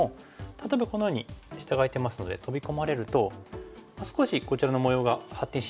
例えばこのように下が空いてますのでトビ込まれると少しこちらの模様が発展しにくいですよね。